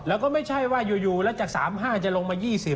แล้วก็ไม่ใช่ว่าอยู่แล้วจาก๓๕จะลงมา๒๐